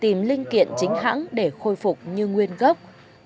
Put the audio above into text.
tìm linh kiện chính hãng để khôi phục như nguyên gốc